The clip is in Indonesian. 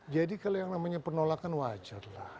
jadi kalau yang namanya penolakan wajar lah